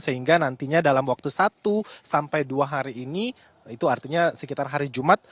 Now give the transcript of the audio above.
sehingga nantinya dalam waktu satu sampai dua hari ini itu artinya sekitar hari jumat